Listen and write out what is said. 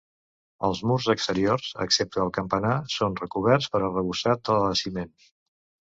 Els murs exteriors, excepte el campanar, són recoberts per arrebossat de ciment.